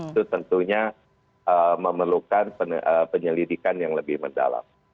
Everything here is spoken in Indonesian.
itu tentunya memerlukan penyelidikan yang lebih mendalam